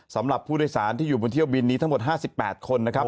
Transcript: สำหรับผู้โดยสารที่อยู่บนเที่ยวบินนี้ทั้งหมด๕๘คนนะครับ